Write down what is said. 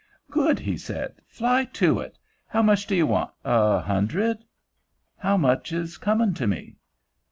"Good!" he said. "Fly to it. How much do you want? A hundred?" "How much is coming to me?"